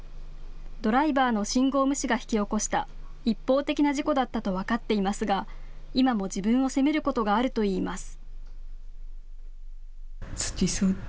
ドライバーの信号無視が引き起こした一方的な事故だったと分かっていますが、今も自分を責めることがあるといいます。